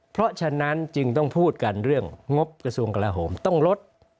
เพราะฉะนั้นจึงต้องพูดกันเรื่องงบกระทรวงกลาโหมต้องลด